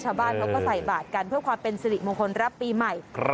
ชาวบ้านเขาก็ใส่บาทกันเพื่อความเป็นสิริมงคลรับปีใหม่